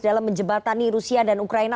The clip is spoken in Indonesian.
dalam menjebatani rusia dan ukraina